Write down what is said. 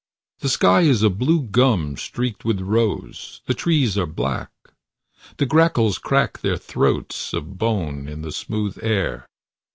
The sky is a blue gum streaked with rose. The trees are black. The grackles crack their throats of bone in the smooth air.